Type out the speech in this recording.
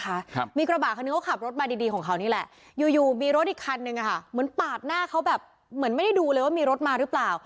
ครับมีกระบาดคันนี้เขาขับรถมาดีดีของเขานี่แหละอยู่อยู่มีรถอีกคันนึงอ่ะค่ะเหมือนปาดหน้าเขาแบบเหมือนไม่ได้ดูเลยว่ามีรถมาหรือเปล่า